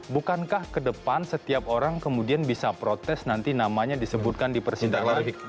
bukankah ke depan setiap orang kemudian bisa protes nanti namanya disebutkan di persidangan